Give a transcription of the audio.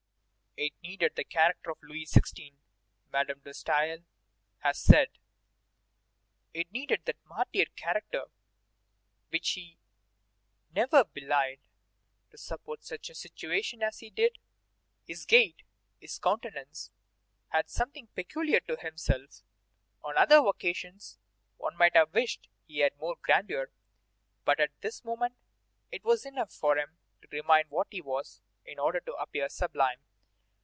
"It needed the character of Louis XVI.," Madame de Staël has said, "it needed that martyr character which he never belied, to support such a situation as he did. His gait, his countenance, had something peculiar to himself; on other occasions one might have wished he had more grandeur; but at this moment it was enough for him to remain what he was in order to appear sublime.